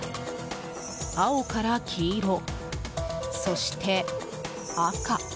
青から黄色、そして赤。